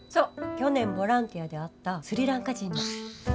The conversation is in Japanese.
去年ボランティアで会ったスリランカ人の。